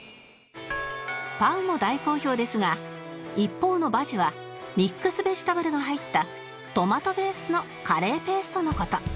パウも大好評ですが一方のバジはミックスベジタブルが入ったトマトベースのカレーペーストの事